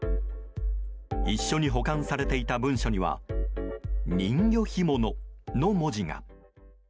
一緒に保管されていた文書には「人魚干物」の文字が。